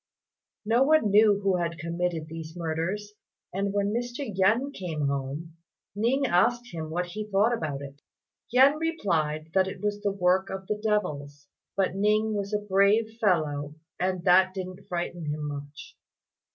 No one knew who had committed these murders, and when Mr. Yen came home, Ning asked him what he thought about it. Yen replied that it was the work of devils, but Ning was a brave fellow, and that didn't frighten him much.